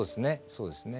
そうですね